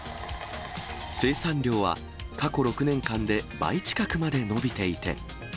生産量は、過去６年間で倍近くまで伸びていて。